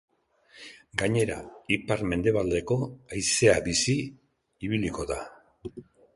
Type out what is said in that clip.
Gainera, ipar-mendebaldeko haizea bizi ibiliko da.